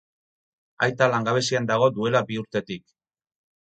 Aita langabezian dago duela bi urtetik.